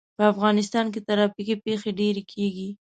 په افغانستان کې ترافیکي پېښې ډېرې کېږي.